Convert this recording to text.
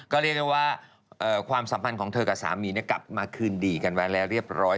ก็เรียกได้ว่าความสัมพันธ์ของเธอกับสามีกลับมาคืนดีกันไว้แล้วเรียบร้อย